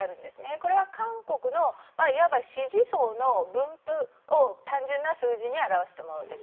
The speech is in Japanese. これは韓国のいわば支持層の分布を単純な数字に表したものです。